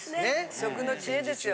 食の知恵ですよ。